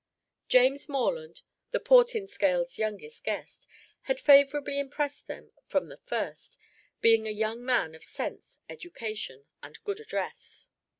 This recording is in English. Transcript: James Morland, the Portinscales' youngest guest, had favourably impressed them from the first, being a young man of sense, education and good address.